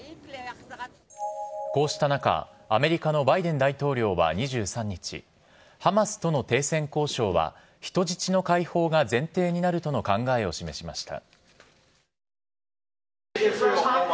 こうした中、アメリカのバイデン大統領は２３日、ハマスとの停戦交渉は人質の解放が前提になるとの考えを示しました。